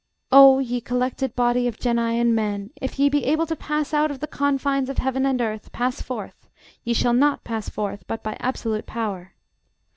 O ye collective body of genii and men, if ye be able to pass out of the confines of heaven and earth, pass forth: ye shall not pass forth but by absolute power.